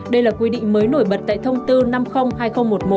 đây là quy định mới nổi bật tại thông tư